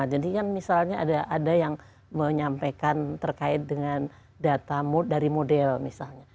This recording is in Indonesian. jadi kan misalnya ada yang menyampaikan terkait dengan data dari model misalnya